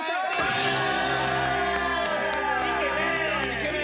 イケメン！